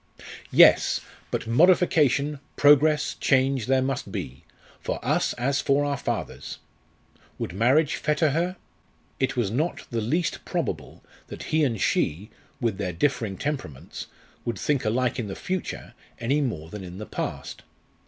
Yes! but modification, progress, change, there must be, for us as for our fathers! Would marriage fetter her? It was not the least probable that he and she, with their differing temperaments, would think alike in the future, any more than in the past.